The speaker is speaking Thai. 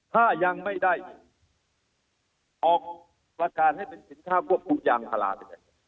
ถ้ายังไม่ได้ออกประกาศให้เป็นสินค้าควบคุมยางพาราเลย